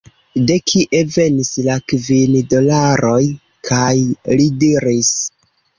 De kie venis la kvin dolaroj? kaj li diris: